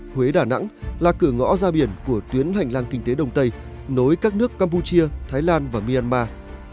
huế đà nẵng là cửa ngõ ra biển của tuyến hành lang kinh tế đông tây nối các nước campuchia thái lan và myanmar